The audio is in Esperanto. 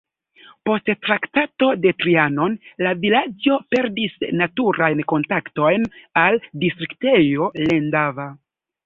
Post Traktato de Trianon la vilaĝo perdis naturajn kontaktojn al distriktejo Lendava.